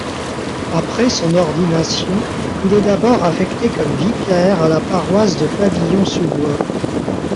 Après son ordination, il est d'abord affecté comme vicaire à la paroisse de Pavillons-sous-Bois.